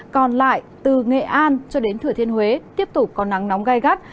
còn lại từ nghệ an cho đến thừa thiên huế tiếp tục có nắng nóng gai gắt